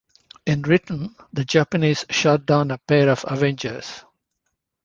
In return, the Japanese shot down a pair of Avengers.